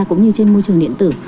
cũng như trên môi trường điện tử